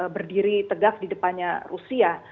berdiri tegak di depannya rusia